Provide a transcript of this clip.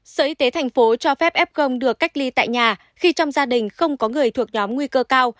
sở y tế thành phố cho phép f được cách ly tại nhà khi trong gia đình không có người thuộc nhóm nguy cơ cao